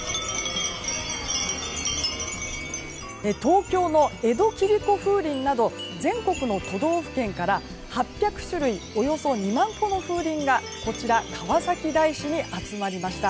東京の江戸切子風鈴など全国の都道府県から８００種類およそ２万個の風鈴がこちら川崎大師に集まりました。